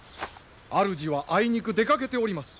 あるじはあいにく出かけております。